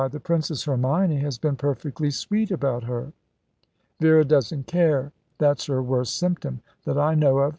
The Princess Hermione has been perfectly sweet about her." "Vera doesn't care. That's her worst symptom, that I know of.